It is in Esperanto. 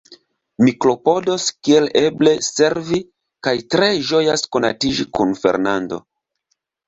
Mi klopodos kiel eble servi, kaj tre ĝojas konatiĝi kun Fernando.